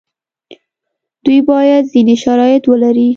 دوی باید ځینې شرایط ولري.